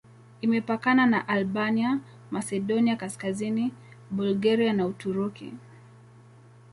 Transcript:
Imepakana na Albania, Masedonia Kaskazini, Bulgaria na Uturuki.